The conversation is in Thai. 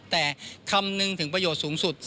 แต่คำนึงถึงประโยชน์สูงสุด